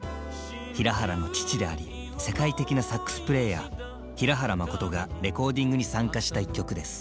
平原の父であり世界的なサックスプレーヤー平原まことがレコーディングに参加した一曲です。